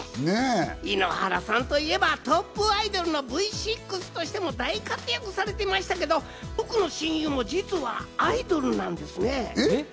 井ノ原さんといえばトップアイドルのＶ６としても大活躍されていましたけど、僕の親友も実はアイドルなんですねぇ。